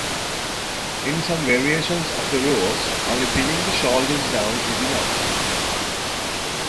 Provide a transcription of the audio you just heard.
In some variations of the rules, only pinning the shoulders down is enough.